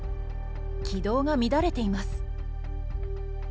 軌道が乱れています。